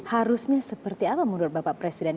harusnya seperti apa menurut bapak presiden